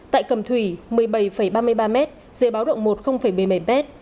tại cầm thủy một mươi bảy ba mươi ba m dưới báo động một một mươi bảy m